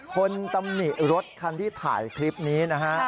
ตำหนิรถคันที่ถ่ายคลิปนี้นะฮะ